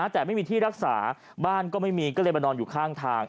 แต่ไม่มีที่รักษาบ้านก็ไม่มีก็เลยมานอนอยู่ข้างทาง